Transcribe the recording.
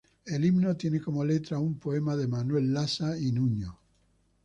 El Himno tiene como letra un poema de Manuel Lassa y Nuño.